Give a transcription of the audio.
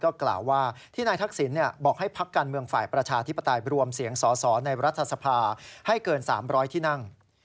กล่าวว่าที่นายทักษิณบอกให้พักการเมืองฝ่ายประชาธิปไตยรวมเสียงสอสอในรัฐสภาให้เกิน๓๐๐ที่นั่ง